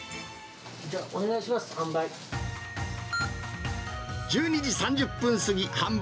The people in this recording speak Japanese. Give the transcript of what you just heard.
じゃあ、お願いします、販売。